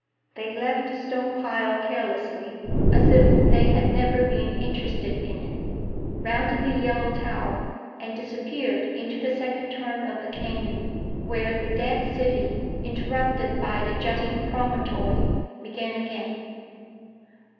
They left the stone pile carelessly, as if they had never been interested in it, rounded the yellow tower, and disappeared into the second turn of the canyon, where the dead city, interrupted by the jutting promontory, began again.